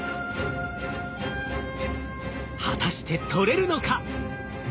果たして採れるのか？